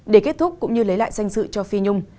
để kết thúc cũng như lấy lại danh dự cho phi nhung